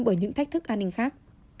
bởi những thách thức an ninh khác